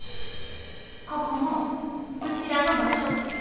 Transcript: ここもうちらの場所って。